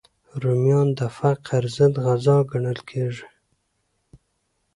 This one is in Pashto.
رومیان د فقر ضد غذا ګڼل کېږي